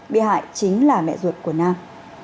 bị hại chính là mẹ ruột của nam